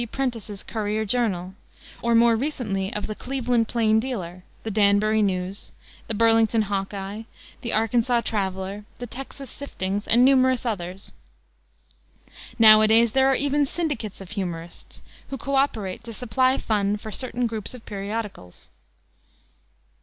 D. Prentice's Courier Journal, or more recently of the Cleveland Plain Dealer, the Danbury News, the Burlington Hawkeye, the Arkansaw Traveller, the Texas Siftings and numerous others. Nowadays there are even syndicates of humorists, who co operate to supply fun for certain groups of periodicals.